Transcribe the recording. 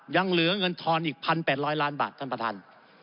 ยังเหลือเงินทอนอีก๑๘๐๐ล้านบาทท่านประธาน